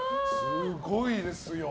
すごいですよ。